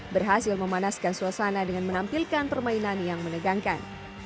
berhasil memanaskan suasana dengan menampilkan permainan yang menegangkan